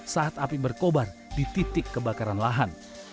saat api berkobar di titik kebakaran lahan